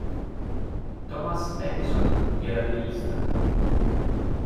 Thomas Edison era deista.